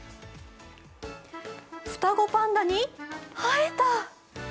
双子パンダに生えた！